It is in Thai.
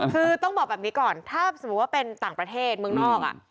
คือต้องบอกแบบนี้ก่อนถ้าสมมุติว่าเป็นต่างประเทศเมืองนอก